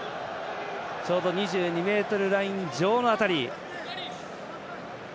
ちょうど２２ｍライン上の辺り。